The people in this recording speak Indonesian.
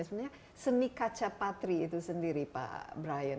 sebenarnya seni kaca patri itu sendiri pak brian